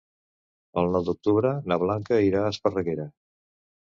El nou d'octubre na Blanca irà a Esparreguera.